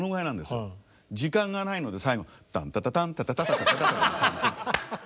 時間がないので最後タンタタタンタタタタタタタタタン。